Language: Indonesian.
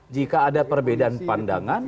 jika ada perbedaan pandangan